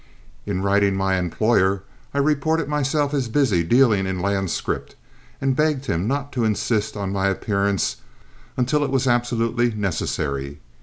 In writing my employer I reported myself as busy dealing in land scrip, and begged him not to insist on my appearance until it was absolutely necessary.